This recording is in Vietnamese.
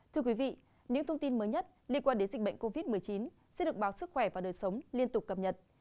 thưa quý vị những thông tin mới nhất liên quan đến dịch bệnh covid một mươi chín sẽ được báo sức khỏe và đời sống liên tục cập nhật